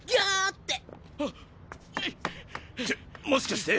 ってもしかして！